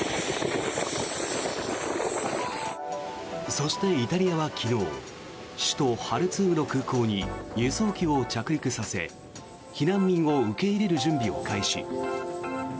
そしてイタリアは昨日首都ハルツームの空港に輸送機を着陸させ避難民を受け入れる準備を開始。